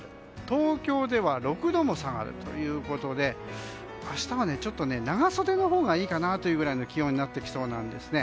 東京では６度も差があるということで明日は長袖のほうがいいかなというくらいの気温になってきそうです。